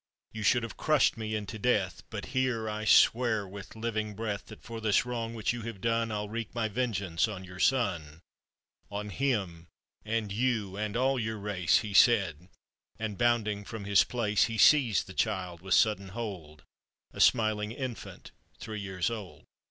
412 APPENDIX. "You should have crush'd me into death; But hear I swear with living breath, That for this wrong which you have done I'll wreak my vengeance on your son — "On him, and you, and all your race !" He said, and bounding from his place, He seized the child with sudden hold — A smiling infant three years old.